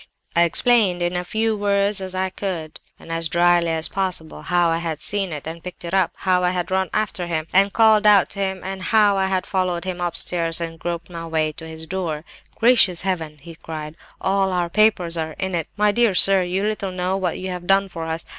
I explained in as few words as I could, and as drily as possible, how I had seen it and picked it up; how I had run after him, and called out to him, and how I had followed him upstairs and groped my way to his door. "'Gracious Heaven!' he cried, 'all our papers are in it! My dear sir, you little know what you have done for us.